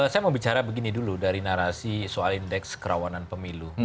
saya mau bicara begini dulu dari narasi soal indeks kerawanan pemilu